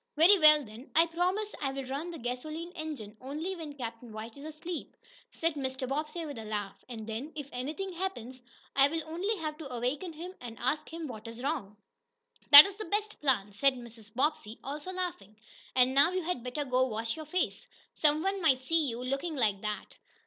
"Very well, then. I promise I'll run the gasoline engine only when Captain White is asleep," said Mr. Bobbsey, with a laugh. "And then, if anything happens, I'll only have to awaken him, and ask him what is wrong." "That's the best plan," said Mrs. Bobbsey, also laughing. "And now you had better go wash your face. Some one might see you looking like that."